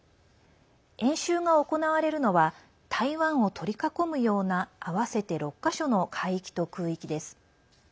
演習が行われるのは台湾を取り囲むような合わせて６か所の海域と空域です。